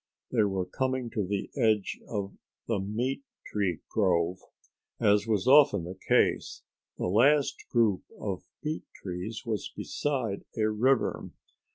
They were coming to the edge of the meat tree grove. As was often the case, the last group of meat trees was beside a river.